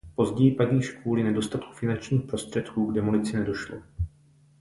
Později pak již kvůli nedostatku finančních prostředků k demolici nedošlo.